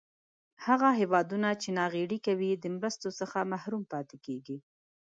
هغه هېوادونه چې ناغیړي کوي د مرستو څخه محروم پاتې کیږي.